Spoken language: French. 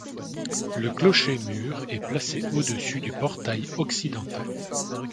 Le clocher-mur est placé au-dessus du portail occidental.